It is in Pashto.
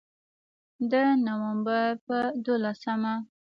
د نومبر په دولسمه